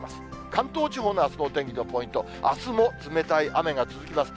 関東地方のあすのお天気のポイント、あすも冷たい雨が続きます。